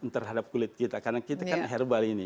terhadap kulit kita karena kita kan herbal ini